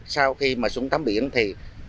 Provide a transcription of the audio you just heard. sau khi mà xuống tắm biển thì